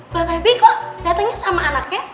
bapak habibie kok datangnya sama anaknya